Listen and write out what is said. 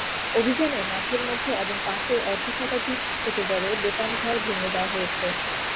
অভিযানে মাঠের মধ্যে এবং পাশের অর্ধশতাধিক ছোট-বড় দোকানঘর ভেঙে দেওয়া হয়েছে।